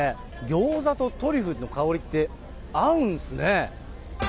ギョーザとトリュフの香りって合うんですね。